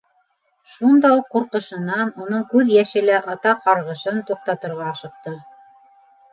Шунда уҡ ҡурҡышынан уның күҙ йәшле ата ҡарғышын туҡтатырға ашыҡты: